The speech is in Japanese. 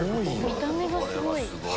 見た目がすごい。